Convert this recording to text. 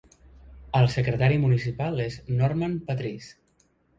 El secretari municipal és Normand Patrice.